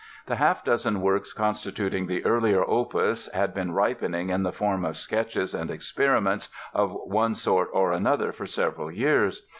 The half dozen works constituting the earlier opus had been ripening in the form of sketches and experiments of one sort or another for several years.